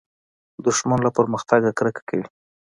دښمن له پرمختګه کرکه کوي